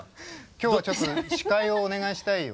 今日はちょっと司会をお願いしたいよ。